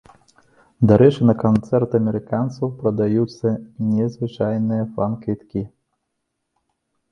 Дарэчы, на канцэрт амерыканцаў прадаюцца незвычайныя фан-квіткі.